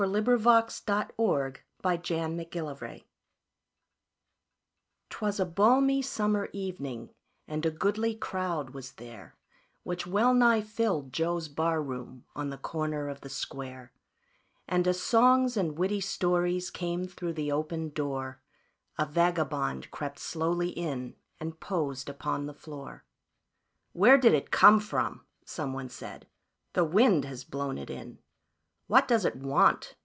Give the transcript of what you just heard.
Y Z The Face on the Barroom Floor 'TWAS a balmy summer evening, and a goodly crowd was there, Which well nigh filled Joe's barroom, on the corner of the square; And as songs and witty stories came through the open door, A vagabond crept slowly in and posed upon the floor. "Where did it come from?" someone said. " The wind has blown it in." "What does it want?"